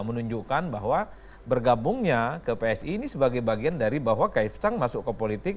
menunjukkan bahwa bergabungnya ke psi ini sebagai bagian dari bahwa kaisang masuk ke politik